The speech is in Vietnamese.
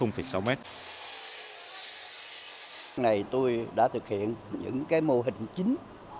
ngày này tôi đã thực hiện những mô hình chính